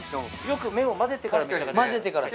よく麺を混ぜてから。